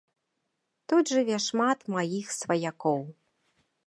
Тут жыве шмат маіх сваякоў.